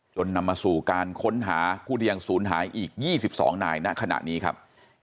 นำมาสู่การค้นหาผู้ที่ยังศูนย์หายอีก๒๒นายณขณะนี้ครับ